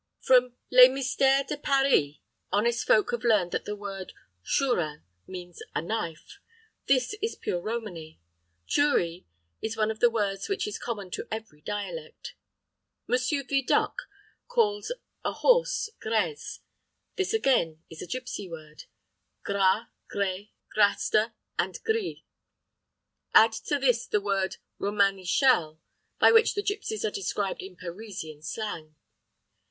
From Les Mysteres de Paris honest folk have learned that the word chourin means "a knife." This is pure Romany tchouri is one of the words which is common to every dialect. Monsieur Vidocq calls a horse gres this again is a gipsy word gras, gre, graste, and gris. Add to this the word romanichel, by which the gipsies are described in Parisian slang.